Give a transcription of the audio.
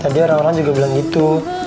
tadi orang orang juga bilang gitu